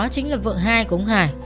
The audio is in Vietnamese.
chính là vợ hai của ông hải